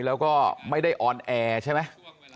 แล้วก็ไม่ได้ออนแอร์ใช่ไหม